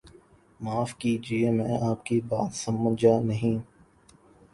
معاف کیجئے میں آپ کی بات سمجھانہیں